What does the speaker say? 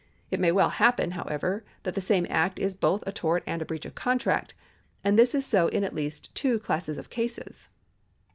It may well happen, however, that the same act is both a tort and a breach of contract, and this is so in at least two classes of cases.